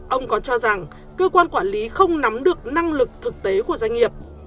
ông còn cho rằng cơ quan quản lý không nắm được năng lực thực tế của doanh nghiệp